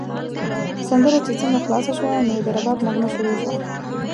سندره چې څنګه خلاصه شوه، نو د رباب نغمه شروع شوه.